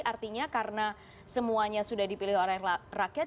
artinya karena semuanya sudah dipilih oleh rakyat